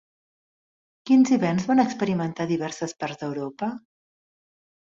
Quins hiverns van experimentar diverses parts d'Europa?